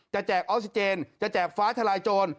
แจกออกซิเจนจะแจกฟ้าทลายโจร